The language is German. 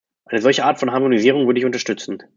Eine solche Art von Harmonisierung würde ich unterstützen.